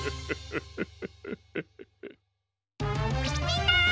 みんな！